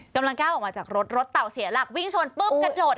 กำลังก้าวออกมาจากรถรถเต่าเสียหลักวิ่งชนปุ๊บกระโดด